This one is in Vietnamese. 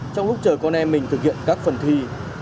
trong lúc chờ con em mình thực hiện các phần thi